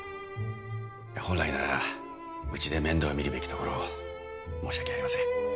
本来ならうちで面倒をみるべきところを申し訳ありません